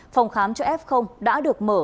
phòng khám cho f đã được mở